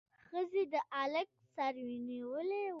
ښځې د هلک سر نیولی و.